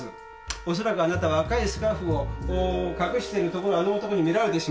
恐らくあなたは赤いスカーフを隠しているところをあの男に見られてしまった。